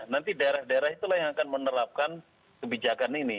nanti daerah daerah itulah yang akan menerapkan kebijakan ini